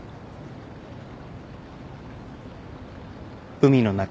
海の中。